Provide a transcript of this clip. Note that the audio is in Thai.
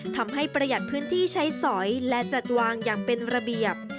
ประหยัดพื้นที่ใช้สอยและจัดวางอย่างเป็นระเบียบ